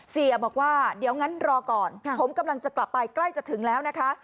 เสียบอกว่าเดี๋ยวงั้นรอก่อนผมกำลังจะกลับไปใกล้จะถึงแล้วนะคะ